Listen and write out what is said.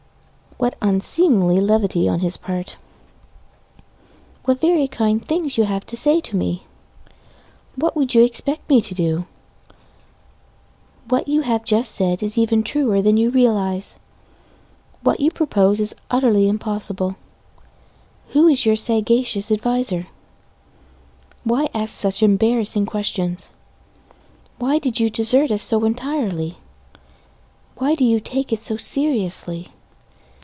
What unseemly levity on his part What very kind things you say to me What would you expect me to do? What you have just said is even truer than you realize What you propose is utterly impossible Who is your sagacious adviser? [sagacious = sound judgment, wise] Why ask such embarrassing questions? Why did you desert us so entirely? Why do you take it so seriously?